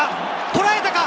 とらえたか？